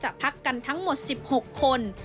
พักกันทั้งหมด๑๖คน